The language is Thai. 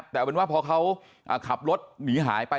แต่เอาเป็นว่าพอเขาขับรถหนีหายไป